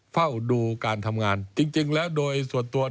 เฝ้าดูการทำงานจริงแล้วโดยส่วนตัว